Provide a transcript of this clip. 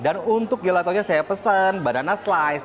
dan untuk gelatonya saya pesan banana slice